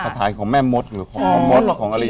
คาถาของแม่มดหรือของมดของอะไรเนี่ย